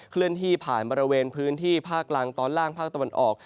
เลื่อนที่ผ่านบริเวณพื้นที่ภาคล่างตอนล่างภาคตะวันออก